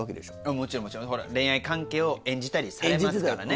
もちろんもちろん恋愛関係を演じたりされますからね。